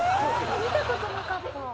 見たことなかった。